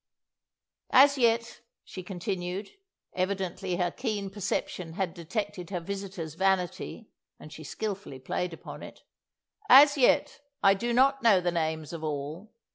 "As yet," she continued evidently her keen perception had detected her visitor's vanity, and she skilfully played upon it "as yet, I do not know the names of all.